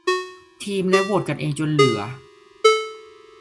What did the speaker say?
ทีมและโหวดกันเองจนเหลือ